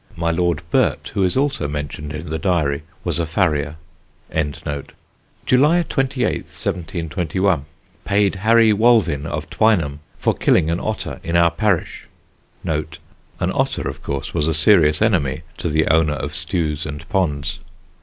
My Lord Burt, who is also mentioned in the diary, was a farrier.] "July 28th, 1721. Paid Harry Wolvin of Twineham, for killing an otter in our parish. [An otter, of course, was a serious enemy to the owner of stews and ponds.